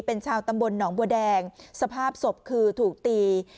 เป็นชาวตำบลหนองบัวแดงสภาพศพคือถูกตี